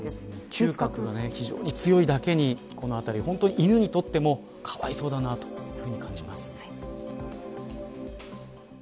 嗅覚が非常に強いだけにこのあたり本当に犬にとってもかわいそうだなと感じます。